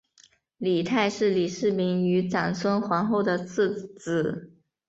李泰是李世民与长孙皇后的次子。